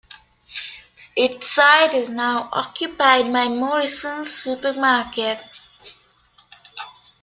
Its site is now occupied by a Morrison's supermarket.